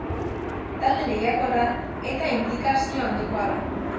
Talde lehiakorra eta inplikazio handikoa da.